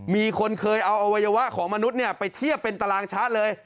มีคนเคยเอาอวัยวะของมนุษย์ไปเทียบเป็นตารางชาร์จเลย